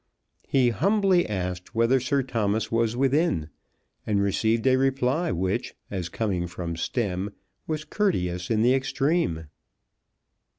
He humbly asked whether Sir Thomas was within, and received a reply which, as coming from Stemm, was courteous in the extreme.